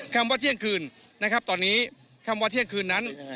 คำว่าเที่ยงคืนนะครับตอนนี้คำว่าเที่ยงคืนนั้น